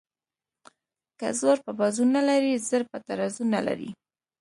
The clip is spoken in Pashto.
که زور په بازو نه لري زر په ترازو نه لري.